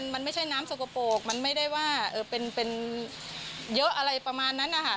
มันไม่ใช่น้ำสกปรกมันไม่ได้ว่าเป็นเยอะอะไรประมาณนั้นนะคะ